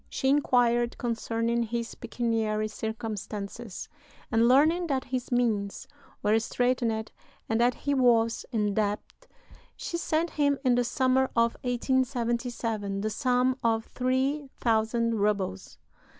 She inquired concerning his pecuniary circumstances, and, learning that his means were straitened and that he was in debt, she sent him, in the summer of 1877, the sum of three thousand rubles.